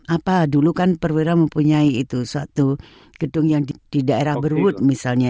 apa dulu kan perwira mempunyai itu suatu gedung yang di daerah berwud misalnya